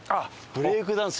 ブレイクダンス。